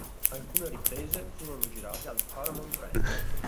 Alcune riprese furono girate al Paramount Ranch.